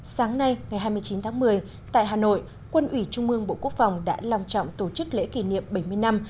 sáng nay ngày hai mươi chín tháng một mươi tại hà nội quân ủy trung mương bộ quốc phòng đã lòng trọng tổ chức lễ kỷ niệm bảy mươi năm